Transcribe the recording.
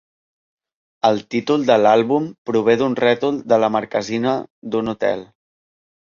El títol de l'àlbum prové d'un rètol de la marquesina d'un hotel.